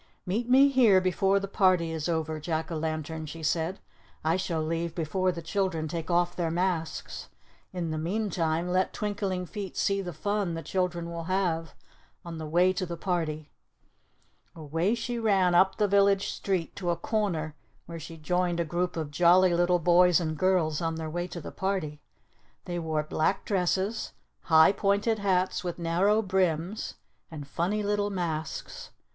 "Meet me here before the party is over, Jack o' Lantern," she said. "I shall leave before the children take off their masks. In the meantime, let Twinkling Feet see the fun the children will have on the way to the party." Away she ran up the village street to a corner where she joined a group of jolly little boys and girls on their way to the party. They wore black dresses, high, pointed hats with narrow brims, and funny little masks.